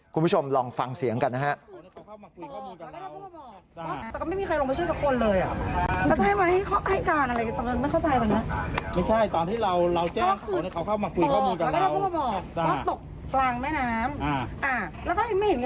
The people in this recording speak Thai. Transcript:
คุณผู้ชมลองฟังเสียงกันนะฮะ